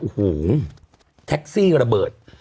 โอ้โหแท็กซี่ระเบิด